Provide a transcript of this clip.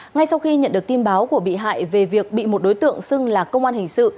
ngay sau khi nhận được tin báo của bị hại về việc bị một đối tượng xưng là công an hình sự